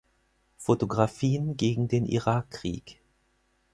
Fotografien gegen den Irakkrieg.